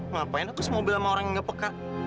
ngapain aku semua bilang sama orang yang nggak peka